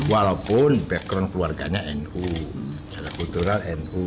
walaupun background keluarganya nu secara kultural nu